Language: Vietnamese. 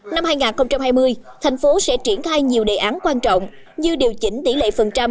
năm hai nghìn hai mươi thành phố sẽ triển khai nhiều đề án quan trọng như điều chỉnh tỷ lệ phần trăm